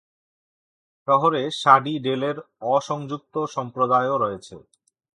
শহরে শাডি ডেলের অ-সংযুক্ত সম্প্রদায়ও রয়েছে।